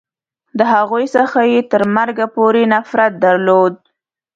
د هغوی څخه یې تر مرګه پورې نفرت درلود.